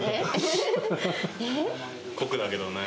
酷だけどね。